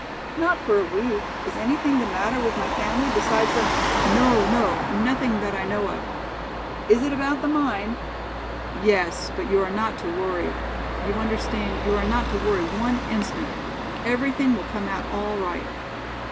"Not for a week. Is anything the matter with my family besides the " "No, no, nothing that I know of." "Is it about the mine?" "Yes, but you are not to worry. You understand, you are not to worry one instant. Everything will come out all right."